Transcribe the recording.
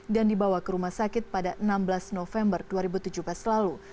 dibawa ke rumah sakit pada enam belas november dua ribu tujuh belas lalu